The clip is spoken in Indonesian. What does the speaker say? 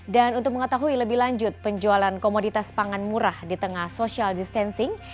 dan untuk mengetahui lebih lanjut penjualan komoditas pangan murah di tengah social distancing